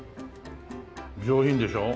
上品でしょう？